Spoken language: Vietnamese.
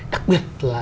đặc biệt là